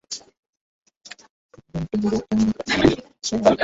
গ্রামের সাধারণ জনগনকে বৃক্ষরোপনের উপকারিতা ও বৃক্ষনিধনের অপকারিতা সম্পর্কে অবহিত করতে হবে।